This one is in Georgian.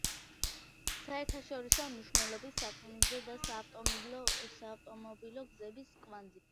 საერთაშორისო მნიშვნელობის სარკინიგზო და საავტომობილო გზების კვანძი.